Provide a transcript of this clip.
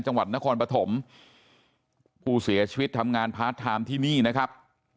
จังหวัดนครปฐมผู้เสียชีวิตทำงานพาร์ทไทม์ที่นี่นะครับ